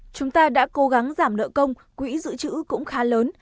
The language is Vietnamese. chúng ta đã cố gắng giảm nợ công quỹ giữ chữ cũng khá lớn